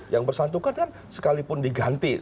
yang bersangkutan kan sekalipun diganti